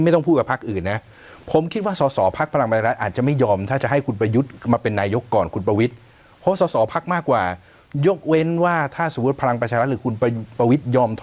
มีตำแหน่งอะไรต่างต่างเนี้ยเพราะเรามาจากส่อส่อน้อยกว่าอย่างเงี้ย